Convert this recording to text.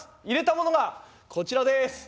入れたものがこちらです。